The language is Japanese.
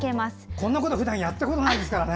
こんなことふだんやったことないですからね。